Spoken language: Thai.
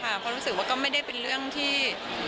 เพราะรู้สึกว่าก็ไม่ได้เป็นเรื่องที่